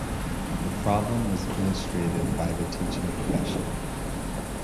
The problem was illustrated by the teaching profession.